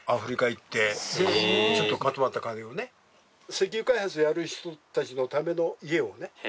石油開発やる人たちのための家をね。